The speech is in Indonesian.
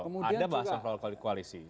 ada bahasa soal koalisi